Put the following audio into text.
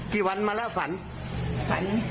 กี่วันมาแล้วฝันฝัน